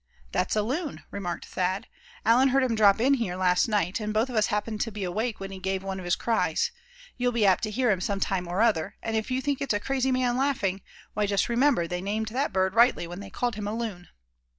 "That's a loon," remarked Thad. "Allan heard him drop in here last night; and both of us happened to be awake when he gave one of his cries. You'll be apt to hear him some time or other; and if you think it's a crazy man laughing, why just remember they named that bird rightly when they called him a loon."